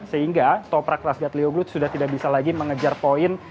sehingga toprak rasgat leo glut sudah tidak bisa lagi mengejar poin